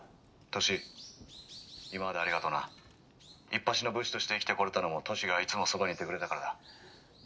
いっぱしの武士として生きてこれたのも歳がいつもそばにいてくれたからだ」。